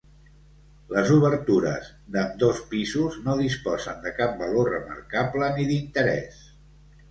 Les obertures d’ambdós pisos, no disposen de cap valor remarcable ni d’interès.